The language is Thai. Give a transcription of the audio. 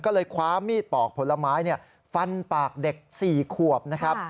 ก็เลยคว้ามีดปอกผลไม้ฟันปากเด็ก๔ขวบนะครับ